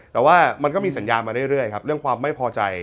แต่ว่ามันก็มีสัญญาณมาเรื่อยครับเรื่องความไม่พอใจ